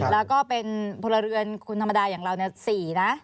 แล้วก็เป็นพลเรือนคนธรรมดาอย่างเรา๔นะ